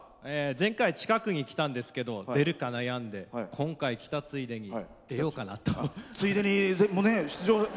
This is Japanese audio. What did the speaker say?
前回、近くに来たんですけど出るか悩んで今回、来たついでに出ようかなと。